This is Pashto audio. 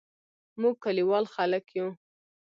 موږ کلیوال خلګ یو